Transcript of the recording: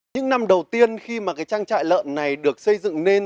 những năm đầu tiên khi mà cái trang trại lợn này được xây dựng nên